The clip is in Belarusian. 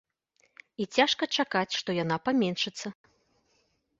І цяжка чакаць, што яна паменшыцца.